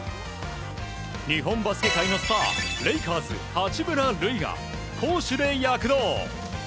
日本バスケ界のスターレイカーズ、八村塁が攻守で躍動！